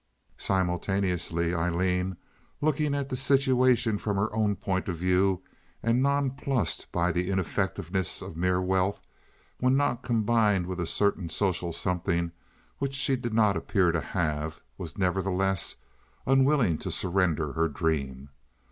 Simultaneously Aileen, looking at the situation from her own point of view and nonplussed by the ineffectiveness of mere wealth when not combined with a certain social something which she did not appear to have, was, nevertheless, unwilling to surrender her dream.